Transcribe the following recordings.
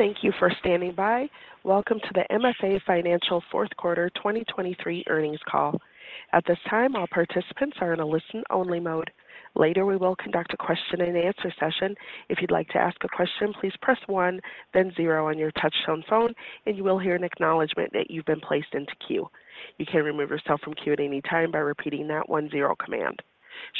Thank you for standing by. Welcome to the MFA Financial fourth quarter 2023 earnings call. At this time, all participants are in a listen-only mode. Later, we will conduct a question-and-answer session. If you'd like to ask a question, please press one, then zero on your touch-tone phone, and you will hear an acknowledgment that you've been placed into queue. You can remove yourself from queue at any time by repeating that one-zero command.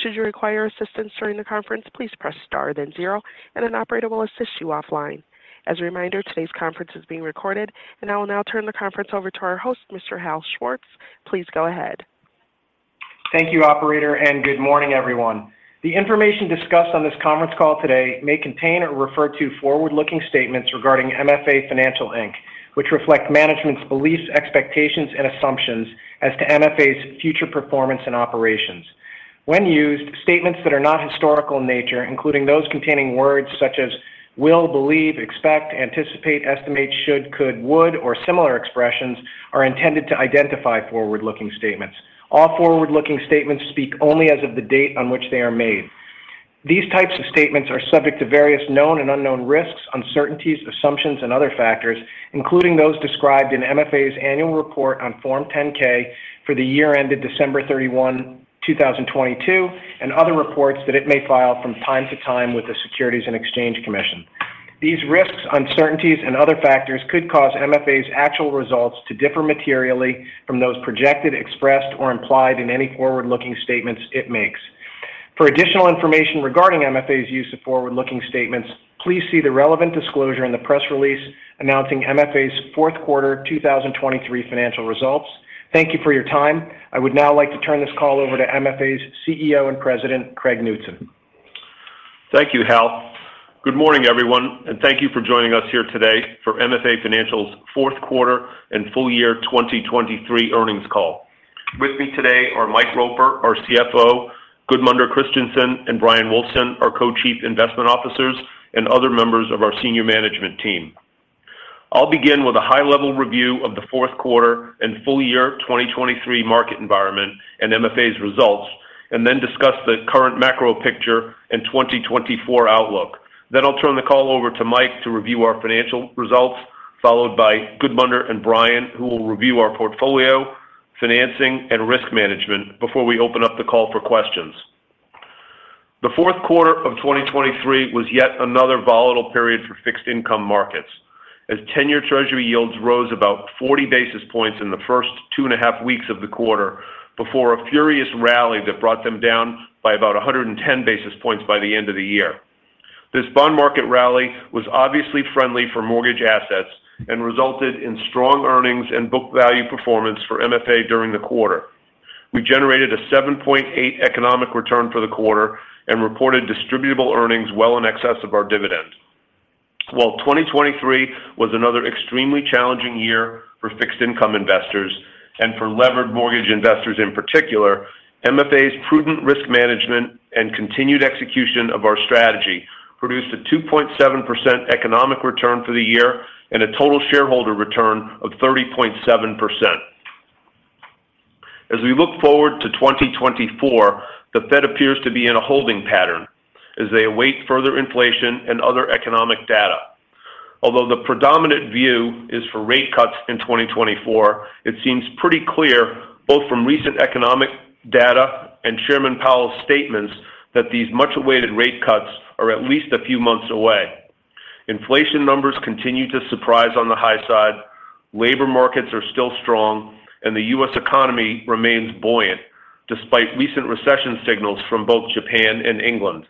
Should you require assistance during the conference, please press star, then zero, and an operator will assist you offline. As a reminder, today's conference is being recorded, and I will now turn the conference over to our host, Mr. Hal Schwartz. Please go ahead. Thank you, operator, and good morning, everyone. The information discussed on this conference call today may contain or refer to forward-looking statements regarding MFA Financial, Inc., which reflect management's beliefs, expectations, and assumptions as to MFA's future performance and operations. When used, statements that are not historical in nature, including those containing words such as will, believe, expect, anticipate, estimate, should, could, would, or similar expressions, are intended to identify forward-looking statements. All forward-looking statements speak only as of the date on which they are made. These types of statements are subject to various known and unknown risks, uncertainties, assumptions, and other factors, including those described in MFA's annual report on Form 10-K for the year ended December 31, 2022, and other reports that it may file from time to time with the Securities and Exchange Commission. These risks, uncertainties, and other factors could cause MFA's actual results to differ materially from those projected, expressed, or implied in any forward-looking statements it makes. For additional information regarding MFA's use of forward-looking statements, please see the relevant disclosure in the press release announcing MFA's fourth quarter 2023 financial results. Thank you for your time. I would now like to turn this call over to MFA's CEO and President, Craig Knutson. Thank you, Hal. Good morning, everyone, and thank you for joining us here today for MFA Financial's fourth quarter and full year 2023 earnings call. With me today are Mike Roper, our CFO; Gudmundur Kristjansson and Bryan Wulfsohn, our co-Chief Investment Officers; and other members of our senior management team. I'll begin with a high-level review of the fourth quarter and full year 2023 market environment and MFA's results, and then discuss the current macro picture and 2024 outlook. Then I'll turn the call over to Mike to review our financial results, followed by Gudmundur and Bryan, who will review our portfolio, financing, and risk management before we open up the call for questions. The fourth quarter of 2023 was yet another volatile period for fixed-income markets, as 10-year Treasury yields rose about 40 basis points in the first two and a half weeks of the quarter before a furious rally that brought them down by about 110 basis points by the end of the year. This bond market rally was obviously friendly for mortgage assets and resulted in strong earnings and book value performance for MFA during the quarter. We generated a 7.8% economic return for the quarter and reported distributable earnings well in excess of our dividend. While 2023 was another extremely challenging year for fixed-income investors and for levered mortgage investors in particular, MFA's prudent risk management and continued execution of our strategy produced a 2.7% economic return for the year and a total shareholder return of 30.7%. As we look forward to 2024, the Fed appears to be in a holding pattern as they await further inflation and other economic data. Although the predominant view is for rate cuts in 2024, it seems pretty clear, both from recent economic data and Chairman Powell's statements, that these much-awaited rate cuts are at least a few months away. Inflation numbers continue to surprise on the high side, labor markets are still strong, and the US economy remains buoyant despite recent recession signals from both Japan and England.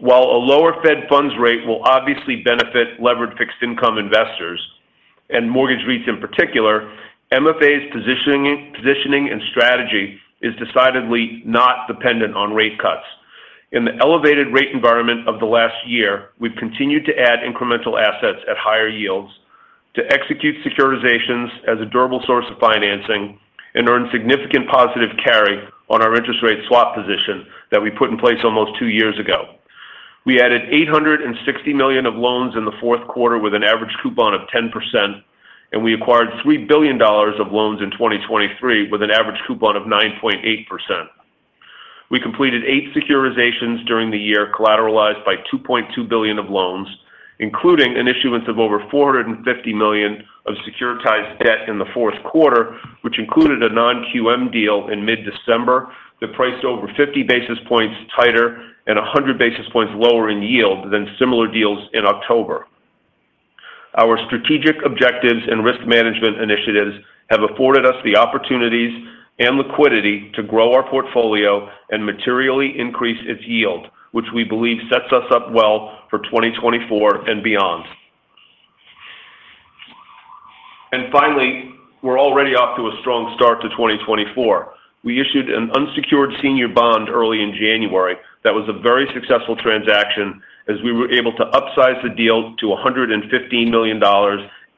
While a lower Fed funds rate will obviously benefit levered fixed-income investors and mortgage REITs in particular, MFA's positioning and strategy is decidedly not dependent on rate cuts. In the elevated rate environment of the last year, we've continued to add incremental assets at higher yields to execute securitizations as a durable source of financing and earn significant positive carry on our interest rate swap position that we put in place almost two years ago. We added $860 million of loans in the fourth quarter with an average coupon of 10%, and we acquired $3 billion of loans in 2023 with an average coupon of 9.8%. We completed eight securitizations during the year collateralized by $2.2 billion of loans, including an issuance of over $450 million of securitized debt in the fourth quarter, which included a non-QM deal in mid-December that priced over 50 basis points tighter and 100 basis points lower in yield than similar deals in October. Our strategic objectives and risk management initiatives have afforded us the opportunities and liquidity to grow our portfolio and materially increase its yield, which we believe sets us up well for 2024 and beyond. Finally, we're already off to a strong start to 2024. We issued an unsecured senior bond early in January that was a very successful transaction as we were able to upsize the deal to $115 million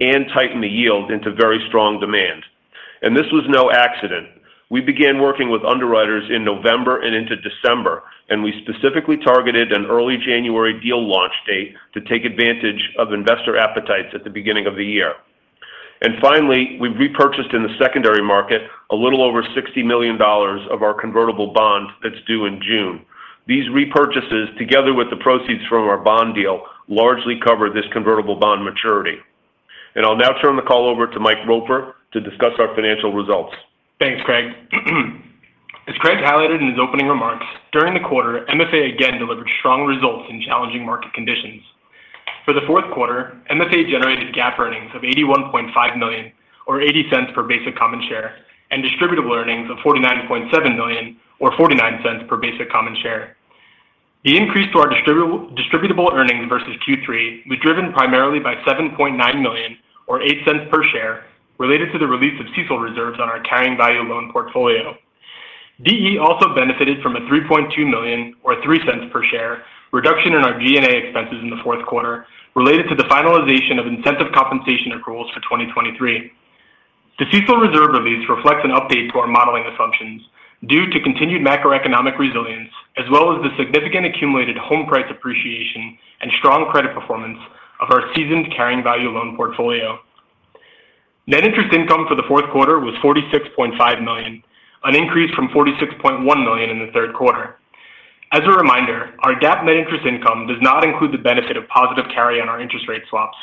and tighten the yield into very strong demand. This was no accident. We began working with underwriters in November and into December, and we specifically targeted an early January deal launch date to take advantage of investor appetites at the beginning of the year. Finally, we've repurchased in the secondary market a little over $60 million of our convertible bond that's due in June. These repurchases, together with the proceeds from our bond deal, largely cover this convertible bond maturity. I'll now turn the call over to Mike Roper to discuss our financial results. Thanks, Craig. As Craig highlighted in his opening remarks, during the quarter, MFA again delivered strong results in challenging market conditions. For the fourth quarter, MFA generated GAAP earnings of $81.5 million or $0.80 per basic common share and distributable earnings of $49.7 million or $0.49 per basic common share. The increase to our distributable earnings versus Q3 was driven primarily by $7.9 million or $0.08 per share related to the release of CECL reserves on our carrying value loan portfolio. DE also benefited from a $3.2 million or $0.03 per share reduction in our G&A expenses in the fourth quarter related to the finalization of incentive compensation accruals for 2023. The CECL reserve release reflects an update to our modeling assumptions due to continued macroeconomic resilience as well as the significant accumulated home price appreciation and strong credit performance of our seasoned carrying value loan portfolio. Net interest income for the fourth quarter was $46.5 million, an increase from $46.1 million in the third quarter. As a reminder, our GAAP net interest income does not include the benefit of positive carry on our interest rate swaps.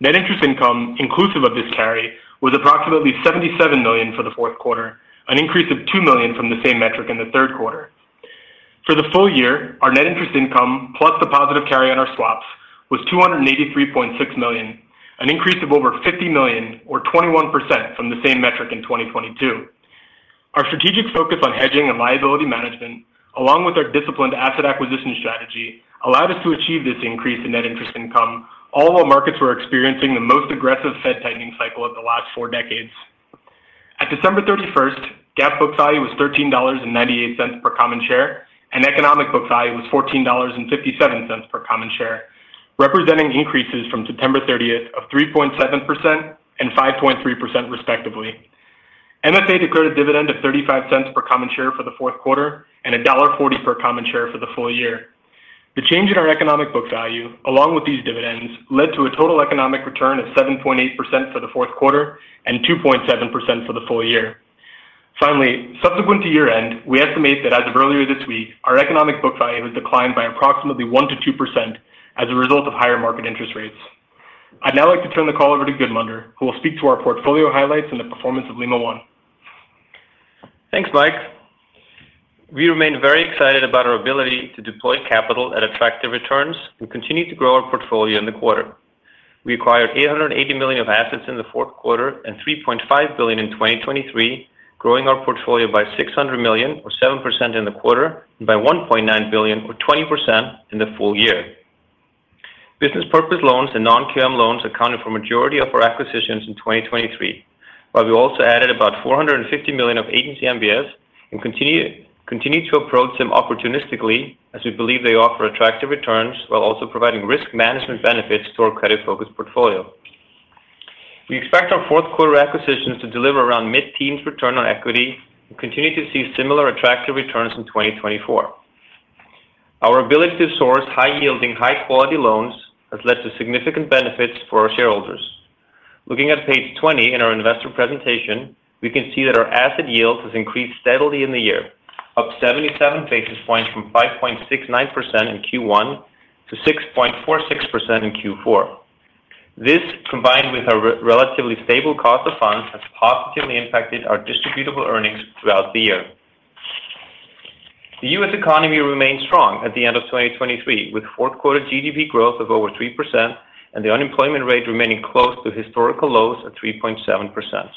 Net interest income inclusive of this carry was approximately $77 million for the fourth quarter, an increase of $2 million from the same metric in the third quarter. For the full year, our net interest income plus the positive carry on our swaps was $283.6 million, an increase of over $50 million or 21% from the same metric in 2022. Our strategic focus on hedging and liability management, along with our disciplined asset acquisition strategy, allowed us to achieve this increase in net interest income all while markets were experiencing the most aggressive Fed tightening cycle of the last four decades. At December 31st, GAAP book value was $13.98 per common share, and economic book value was $14.57 per common share, representing increases from September 30th of 3.7% and 5.3% respectively. MFA declared a dividend of $0.35 per common share for the fourth quarter and $1.40 per common share for the full year. The change in our economic book value, along with these dividends, led to a total economic return of 7.8% for the fourth quarter and 2.7% for the full year. Finally, subsequent to year-end, we estimate that as of earlier this week, our economic book value has declined by approximately 1%-2% as a result of higher market interest rates. I'd now like to turn the call over to Gudmundur, who will speak to our portfolio highlights and the performance of Lima One. Thanks, Mike. We remain very excited about our ability to deploy capital at attractive returns and continue to grow our portfolio in the quarter. We acquired $880 million of assets in the fourth quarter and $3.5 billion in 2023, growing our portfolio by $600 million or 7% in the quarter and by $1.9 billion or 20% in the full year. Business purpose loans and non-QM loans accounted for a majority of our acquisitions in 2023, while we also added about $450 million of Agency MBS and continue to approach them opportunistically as we believe they offer attractive returns while also providing risk management benefits to our credit-focused portfolio. We expect our fourth quarter acquisitions to deliver around mid-teens return on equity and continue to see similar attractive returns in 2024. Our ability to source high-yielding, high-quality loans has led to significant benefits for our shareholders. Looking at page 20 in our investor presentation, we can see that our asset yield has increased steadily in the year, up 77 basis points from 5.69% in Q1 to 6.46% in Q4. This, combined with our relatively stable cost of funds, has positively impacted our distributable earnings throughout the year. The U.S. economy remained strong at the end of 2023, with fourth-quarter GDP growth of over 3% and the unemployment rate remaining close to historical lows at 3.7%.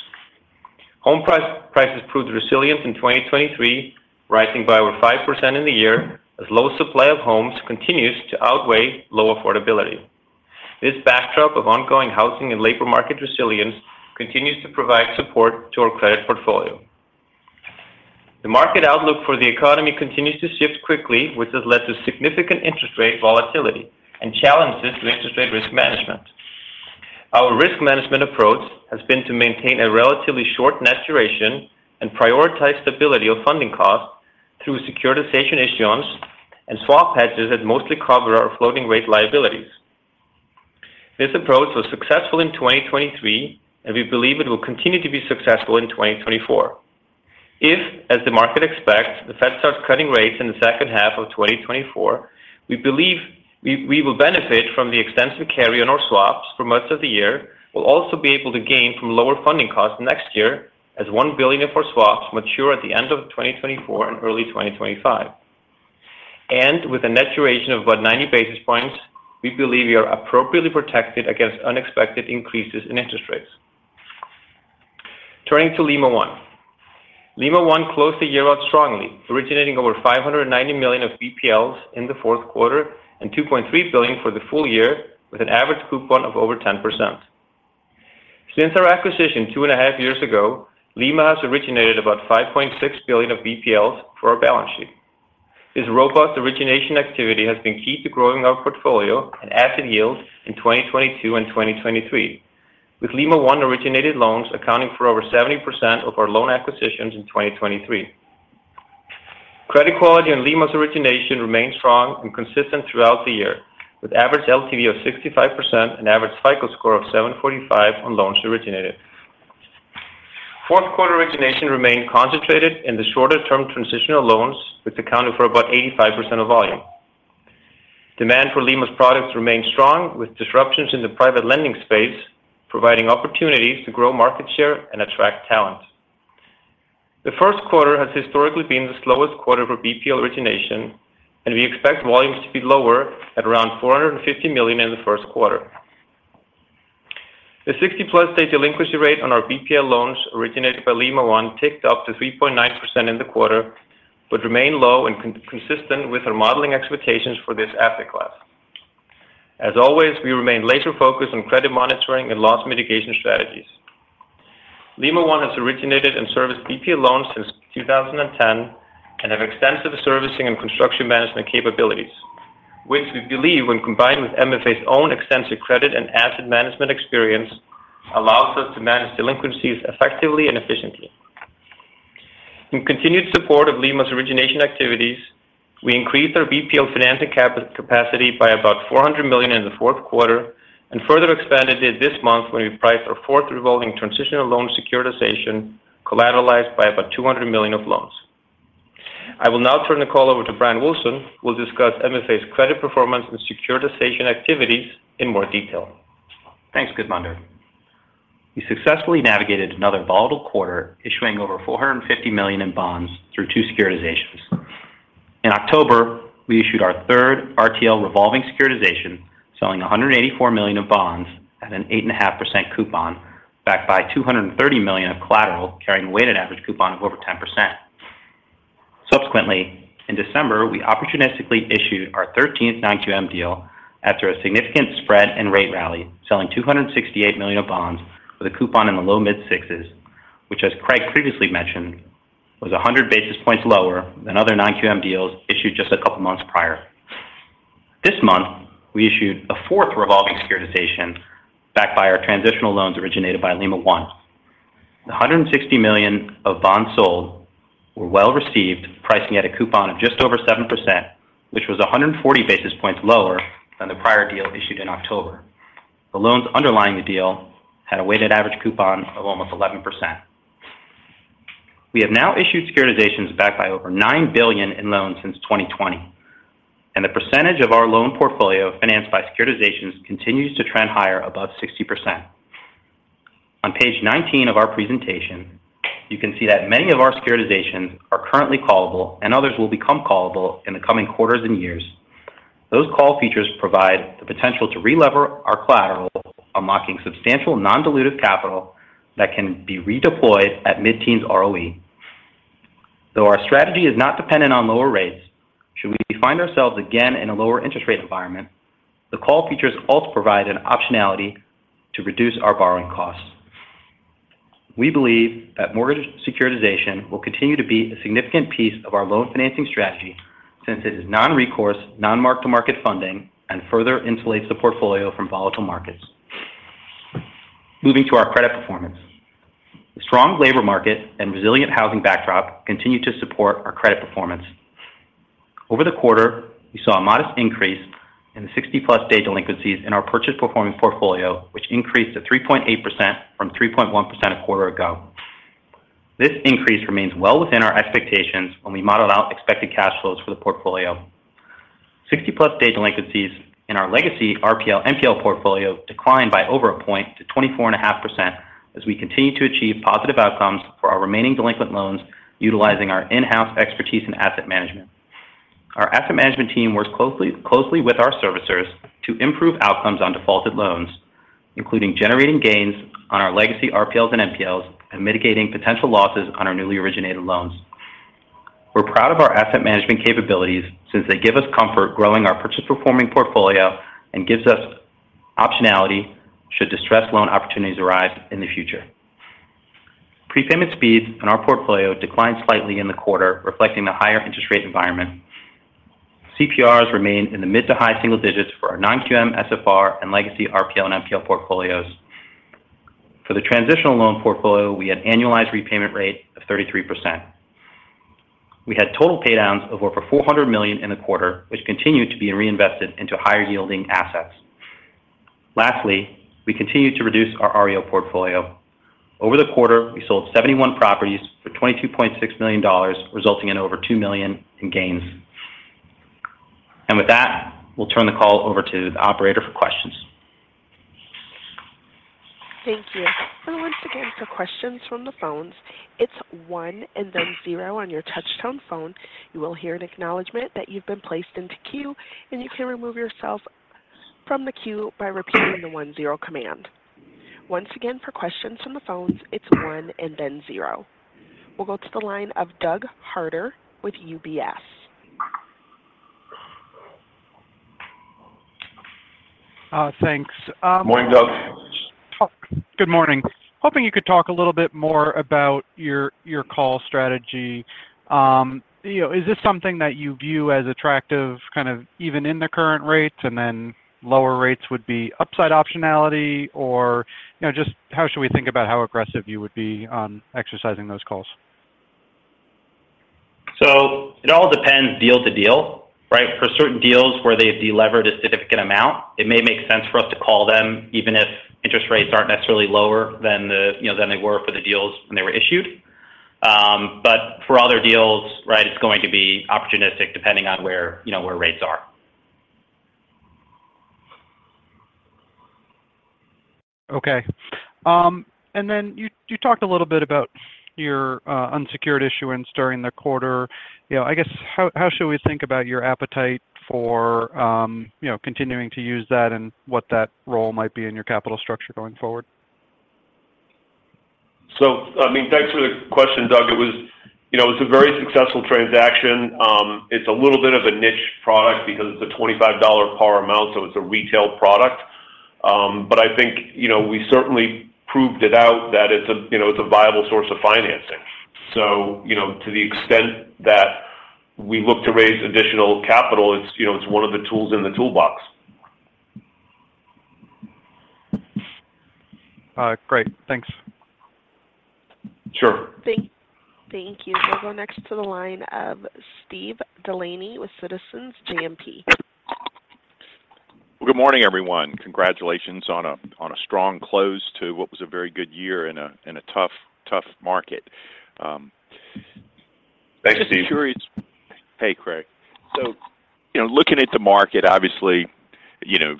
Home prices proved resilient in 2023, rising by over 5% in the year as low supply of homes continues to outweigh low affordability. This backdrop of ongoing housing and labor market resilience continues to provide support to our credit portfolio. The market outlook for the economy continues to shift quickly, which has led to significant interest rate volatility and challenges to interest rate risk management. Our risk management approach has been to maintain a relatively short net duration and prioritize stability of funding costs through securitization issuance and swap hedges that mostly cover our floating rate liabilities. This approach was successful in 2023, and we believe it will continue to be successful in 2024. If, as the market expects, the Fed starts cutting rates in the second half of 2024, we believe we will benefit from the extensive carry on our swaps for most of the year, while also be able to gain from lower funding costs next year as $1 billion of our swaps mature at the end of 2024 and early 2025. And with a net duration of about 90 basis points, we believe we are appropriately protected against unexpected increases in interest rates. Turning to Lima One. Lima One closed the year out strongly, originating over $590 million of BPLs in the fourth quarter and $2.3 billion for the full year, with an average coupon of over 10%. Since our acquisition two and a half years ago, Lima One has originated about $5.6 billion of BPLs for our balance sheet. This robust origination activity has been key to growing our portfolio and asset yields in 2022 and 2023, with Lima One-originated loans accounting for over 70% of our loan acquisitions in 2023. Credit quality in Lima One's origination remained strong and consistent throughout the year, with average LTV of 65% and average FICO score of 745 on loans originated. Fourth-quarter origination remained concentrated in the shorter-term transitional loans, which accounted for about 85% of volume. Demand for Lima One's products remained strong, with disruptions in the private lending space providing opportunities to grow market share and attract talent. The first quarter has historically been the slowest quarter for BPL origination, and we expect volumes to be lower at around $450 million in the first quarter. The 60+ day delinquency rate on our BPL loans originated by Lima One ticked up to 3.9% in the quarter but remained low and consistent with our modeling expectations for this asset class. As always, we remain laser-focused on credit monitoring and loss mitigation strategies. Lima One has originated and serviced BPL loans since 2010 and have extensive servicing and construction management capabilities, which we believe, when combined with MFA's own extensive credit and asset management experience, allows us to manage delinquencies effectively and efficiently. In continued support of Lima One's origination activities, we increased our BPL financing capacity by about $400 million in the fourth quarter and further expanded it this month when we priced our fourth revolving transitional loan securitization collateralized by about $200 million of loans. I will now turn the call over to Bryan Wulfsohn, who will discuss MFA's credit performance and securitization activities in more detail. Thanks, Gudmundur. We successfully navigated another volatile quarter issuing over $450 million in bonds through two securitizations. In October, we issued our third RTL revolving securitization, selling $184 million of bonds at an 8.5% coupon backed by $230 million of collateral carrying a weighted average coupon of over 10%. Subsequently, in December, we opportunistically issued our 13th non-QM deal after a significant spread and rate rally, selling $268 million of bonds with a coupon in the low mid-sixes, which, as Craig previously mentioned, was 100 basis points lower than other non-QM deals issued just a couple of months prior. This month, we issued a fourth revolving securitization backed by our transitional loans originated by LIMA One. The $160 million of bonds sold were well received, pricing at a coupon of just over 7%, which was 140 basis points lower than the prior deal issued in October. The loans underlying the deal had a weighted average coupon of almost 11%. We have now issued securitizations backed by over $9 billion in loans since 2020, and the percentage of our loan portfolio financed by securitizations continues to trend higher above 60%. On page 19 of our presentation, you can see that many of our securitizations are currently callable and others will become callable in the coming quarters and years. Those call features provide the potential to re-lever our collateral, unlocking substantial non-dilutive capital that can be re-deployed at mid-teens ROE. Though our strategy is not dependent on lower rates, should we find ourselves again in a lower interest rate environment, the call features also provide an optionality to reduce our borrowing costs. We believe that mortgage securitization will continue to be a significant piece of our loan financing strategy since it is non-recourse, non-mark-to-market funding, and further insulates the portfolio from volatile markets. Moving to our credit performance. The strong labor market and resilient housing backdrop continue to support our credit performance. Over the quarter, we saw a modest increase in the 60+ day delinquencies in our purchase-performing portfolio, which increased to 3.8% from 3.1% a quarter ago. This increase remains well within our expectations when we model out expected cash flows for the portfolio. 60+ day delinquencies in our legacy RPL/MPL portfolio declined by over a point to 24.5% as we continue to achieve positive outcomes for our remaining delinquent loans utilizing our in-house expertise in asset management. Our asset management team works closely with our servicers to improve outcomes on defaulted loans, including generating gains on our legacy RPLs and MPLs and mitigating potential losses on our newly originated loans. We're proud of our asset management capabilities since they give us comfort growing our purchase-performing portfolio and give us optionality should distressed loan opportunities arise in the future. Prepayment speeds in our portfolio declined slightly in the quarter, reflecting the higher interest rate environment. CPRs remained in the mid to high single digits for our non-QM, SFR, and legacy RPL and MPL portfolios. For the transitional loan portfolio, we had annualized repayment rate of 33%. We had total paydowns of over $400 million in the quarter, which continued to be reinvested into higher-yielding assets. Lastly, we continued to reduce our REO portfolio. Over the quarter, we sold 71 properties for $22.6 million, resulting in over $2 million in gains. With that, we'll turn the call over to the operator for questions. Thank you. Once again, for questions from the phones, it's one and then zero on your touch-tone phone. You will hear an acknowledgment that you've been placed into queue, and you can remove yourself from the queue by repeating the one-zero command. Once again, for questions from the phones, it's one and then zero. We'll go to the line of Doug Harter with UBS. Thanks. Morning, Doug. Good morning. Hoping you could talk a little bit more about your call strategy. Is this something that you view as attractive, kind of even in the current rates, and then lower rates would be upside optionality, or just how should we think about how aggressive you would be on exercising those calls? It all depends deal to deal. For certain deals where they've de-levered a significant amount, it may make sense for us to call them even if interest rates aren't necessarily lower than they were for the deals when they were issued. But for other deals, it's going to be opportunistic depending on where rates are. Okay. And then you talked a little bit about your unsecured issuance during the quarter. I guess, how should we think about your appetite for continuing to use that and what that role might be in your capital structure going forward? So I mean, thanks for the question, Doug. It was a very successful transaction. It's a little bit of a niche product because it's a $25 par amount, so it's a retail product. But I think we certainly proved it out that it's a viable source of financing. So to the extent that we look to raise additional capital, it's one of the tools in the toolbox. Great. Thanks. Sure. Thank you. We'll go next to the line of Steve Delaney with Citizens JMP. Well, good morning, everyone. Congratulations on a strong close to what was a very good year in a tough market. Thanks, Steve. Just curious, hey, Craig. So looking at the market, obviously,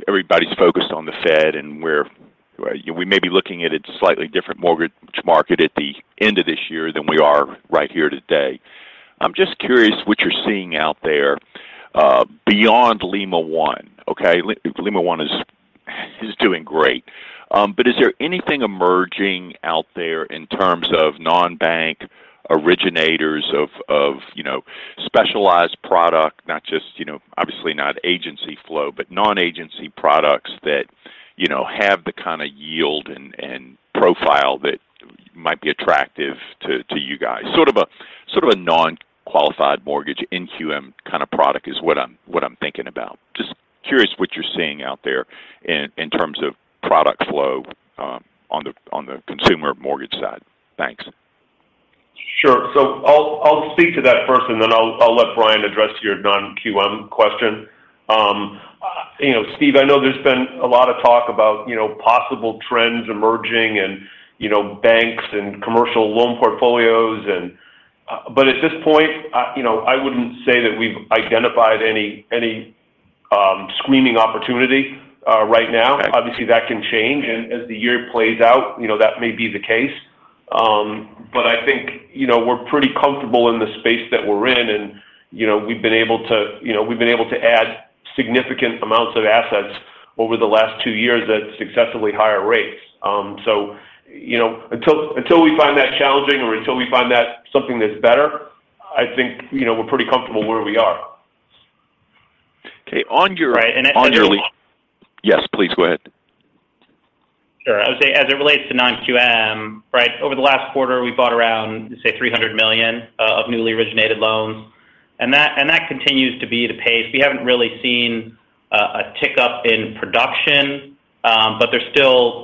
everybody's focused on the Fed, and we may be looking at a slightly different mortgage market at the end of this year than we are right here today. I'm just curious what you're seeing out there beyond Lima One. Okay? Lima One is doing great. But is there anything emerging out there in terms of non-bank originators of specialized product, not just obviously, not agency flow, but non-agency products that have the kind of yield and profile that might be attractive to you guys? Sort of a non-qualified mortgage, non-QM kind of product is what I'm thinking about. Just curious what you're seeing out there in terms of product flow on the consumer mortgage side. Thanks. Sure. So I'll speak to that first, and then I'll let Bryan address your non-QM question. Steve, I know there's been a lot of talk about possible trends emerging and banks and commercial loan portfolios. But at this point, I wouldn't say that we've identified any screening opportunity right now. Obviously, that can change, and as the year plays out, that may be the case. But I think we're pretty comfortable in the space that we're in, and we've been able to add significant amounts of assets over the last two years at successively higher rates. So until we find that challenging or until we find that something that's better, I think we're pretty comfortable where we are. Okay. On your. Right. As it relates. On your yes, please. Go ahead. Sure. I was going to say, as it relates to non-QM, right, over the last quarter, we bought around, say, $300 million of newly originated loans, and that continues to be the pace. We haven't really seen a tick-up in production, but there's still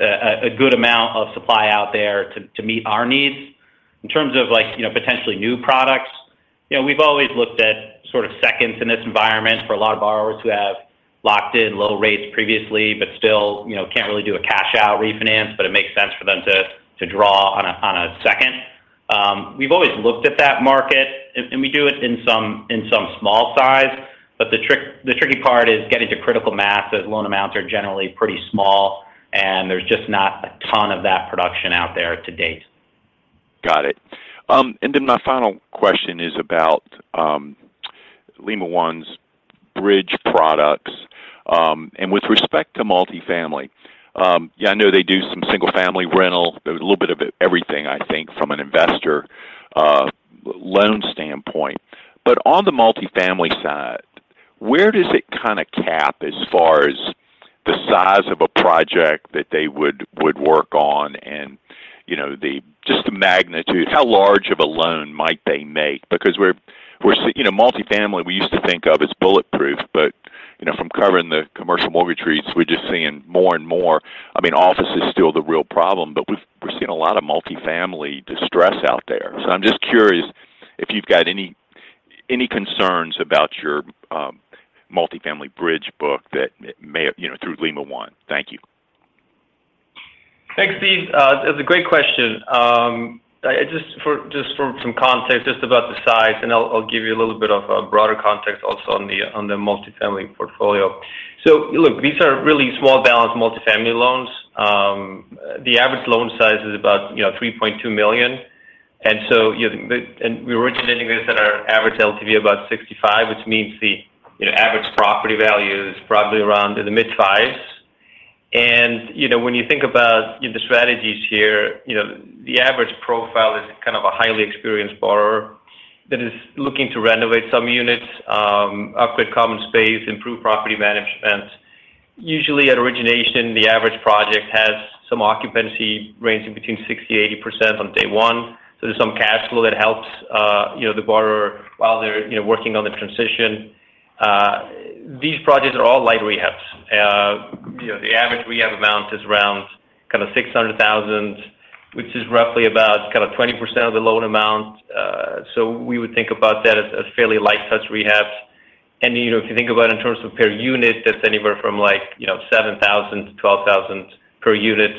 a good amount of supply out there to meet our needs. In terms of potentially new products, we've always looked at sort of seconds in this environment for a lot of borrowers who have locked in low rates previously but still can't really do a cash-out refinance, but it makes sense for them to draw on a second. We've always looked at that market, and we do it in some small size. But the tricky part is getting to critical mass as loan amounts are generally pretty small, and there's just not a ton of that production out there to date. Got it. And then my final question is about Lima One's bridge products. And with respect to multifamily, yeah, I know they do some single-family rental. There's a little bit of everything, I think, from an investor loan standpoint. But on the multifamily side, where does it kind of cap as far as the size of a project that they would work on and just the magnitude? How large of a loan might they make? Because multifamily, we used to think of as bulletproof, but from covering the commercial mortgage REITs, we're just seeing more and more. I mean, office is still the real problem, but we're seeing a lot of multifamily distress out there. So I'm just curious if you've got any concerns about your multifamily bridge book through Lima One. Thank you. Thanks, Steve. That's a great question. Just for some context, just about the size, and I'll give you a little bit of broader context also on the multifamily portfolio. So look, these are really small-balance multifamily loans. The average loan size is about $3.2 million. And we're originating this at our average LTV of about 65%, which means the average property value is probably around in the mid-5s. And when you think about the strategies here, the average profile is kind of a highly experienced borrower that is looking to renovate some units, upgrade common space, improve property management. Usually, at origination, the average project has some occupancy range in between 60%-80% on day one. So there's some cash flow that helps the borrower while they're working on the transition. These projects are all light rehabs. The average rehab amount is around kind of $600,000, which is roughly about kind of 20% of the loan amount. We would think about that as a fairly light-touch rehab. If you think about it in terms of per unit, that's anywhere from $7,000-$12,000 per unit.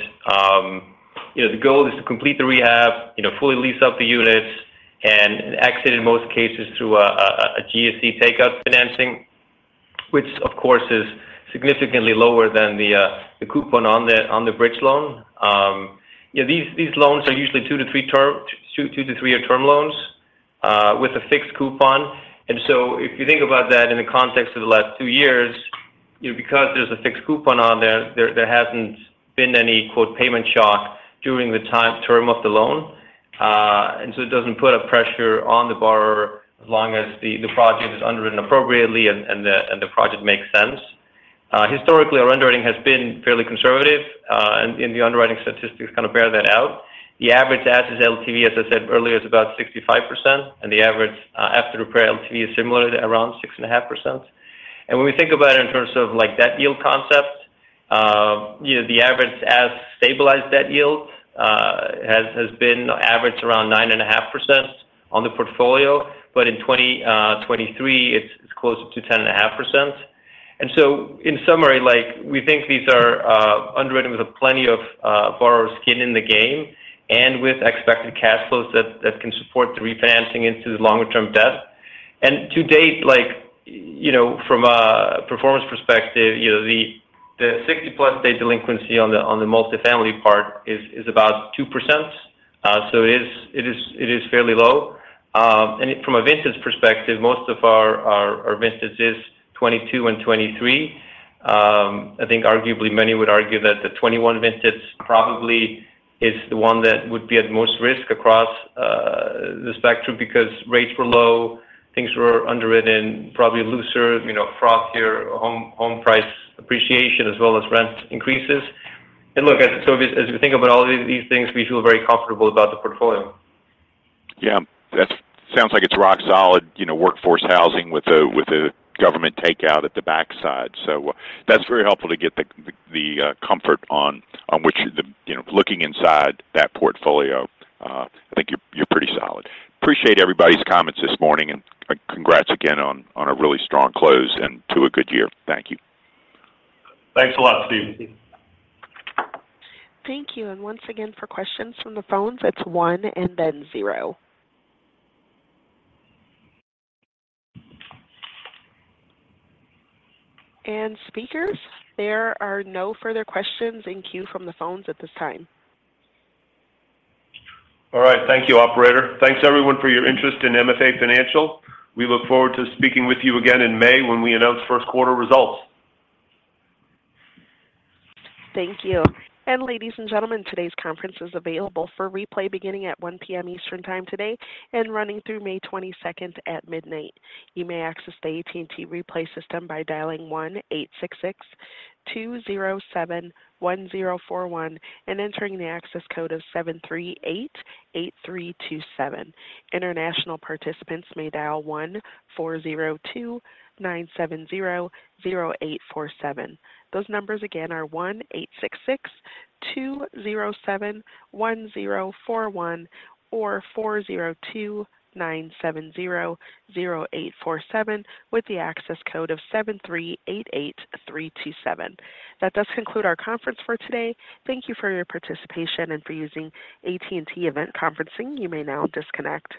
The goal is to complete the rehab, fully lease out the units, and exit, in most cases, through a GSE takeout financing, which, of course, is significantly lower than the coupon on the bridge loan. These loans are usually two-three-year term loans with a fixed coupon. If you think about that in the context of the last 2 years, because there's a fixed coupon on there, there hasn't been any "payment shock" during the term of the loan. It doesn't put a pressure on the borrower as long as the project is underwritten appropriately and the project makes sense. Historically, our underwriting has been fairly conservative, and the underwriting statistics kind of bear that out. The average asset LTV, as I said earlier, is about 65%, and the average after-repair LTV is similar, around 65%. When we think about it in terms of debt yield concept, the average asset stabilized debt yield has been average around 9.5% on the portfolio, but in 2023, it's closer to 10.5%. In summary, we think these are underwritten with plenty of borrower skin in the game and with expected cash flows that can support the refinancing into the longer-term debt. And to date, from a performance perspective, the 60+ day delinquency on the multifamily part is about 2%. So it is fairly low. From a vintage perspective, most of our vintages is 2022 and 2023. I think arguably, many would argue that the 2021 vintage probably is the one that would be at most risk across the spectrum because rates were low, things were underwritten, probably looser, fraught here, home price appreciation as well as rent increases. And look, so as we think about all of these things, we feel very comfortable about the portfolio. Yeah. That sounds like it's rock-solid workforce housing with a government takeout at the backside. So that's very helpful to get the comfort on which looking inside that portfolio, I think you're pretty solid. Appreciate everybody's comments this morning, and congrats again on a really strong close and to a good year. Thank you. Thanks a lot, Steve. Thank you. And once again, for questions from the phones, it's one and then zero. And speakers, there are no further questions in queue from the phones at this time. All right. Thank you, operator. Thanks, everyone, for your interest in MFA Financial. We look forward to speaking with you again in May when we announce first quarter results. Thank you. Ladies and gentlemen, today's conference is available for replay beginning at 1:00 P.M. Eastern Time today and running through May 22nd at midnight. You may access the AT&T replay system by dialing 1-866-207-1041 and entering the access code of 7388327. International participants may dial 1-402-970-0847. Those numbers, again, are 1-866-207-1041 or 402-970-0847 with the access code of 7388327. That does conclude our conference for today. Thank you for your participation and for using AT&T Event Conferencing. You may now disconnect.